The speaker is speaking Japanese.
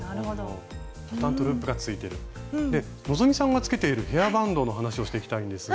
で希さんがつけているヘアバンドの話をしていきたいんですが。